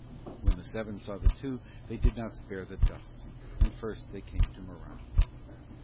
When the seven saw the two they did not spare the dust; and first they came to Morano.